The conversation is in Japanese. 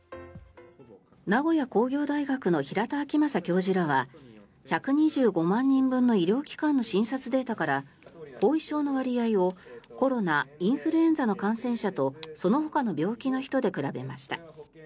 名古屋工業大学の平田晃正教授らは１２５万人分の医療機関の診察データから後遺症の割合をコロナ、インフルエンザの感染者とそのほかの病気の人で比べました。